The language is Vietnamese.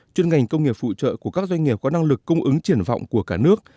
chuyên ngành công nghiệp phụ trợ của các doanh nghiệp có năng lực cung ứng triển vọng của cả nước